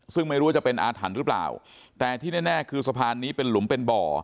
ซึ่งไม่รู้ว่าจะเป็นอาถรรพ์หรือเปล่าแต่ที่แน่คือสะพานนี้เป็นหลุมเป็นบ่อ